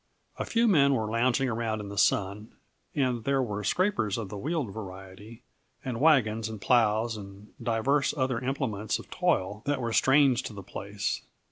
A few men were lounging around in the sun, and there were scrapers of the wheeled variety, and wagons, and plows, and divers other implements of toil that were strange to the place.